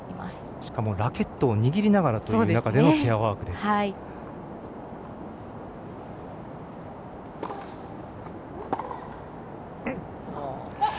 しかもラケットを握りながらのチェアワークです。